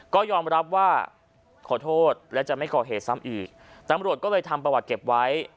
ก็ยอมรับว่าขอโทษและจะไม่ก่อเหตุซ้ำอีกตำรวจก็เลยทำประวัติเก็บไว้